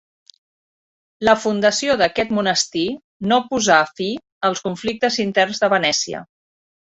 La fundació d'aquest monestir no posà fi als conflictes interns de Venècia.